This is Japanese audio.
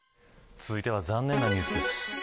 続いては残念なニュースです。